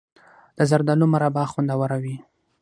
د زردالو مربا خوندوره وي.